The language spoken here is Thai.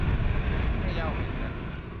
แม่เหย้าแม่เรือน